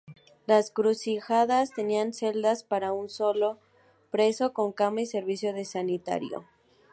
Las crujías tenían celdas para un solo preso con cama y servicio de sanitario.